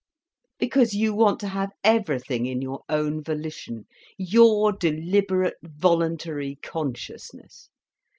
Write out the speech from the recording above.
Because you want to have everything in your own volition, your deliberate voluntary consciousness.